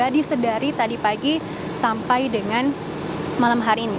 dan pribadi sedari tadi pagi sampai dengan malam hari ini